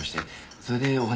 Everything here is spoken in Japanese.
それでお話を。